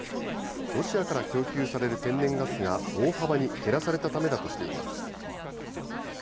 ロシアから供給される天然ガスが大幅に減らされたためだとしています。